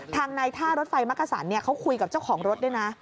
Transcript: ทางนายท่ารถไฟมักกระสานนี้เขาคุยกับเจ้าของรถด้วยนะ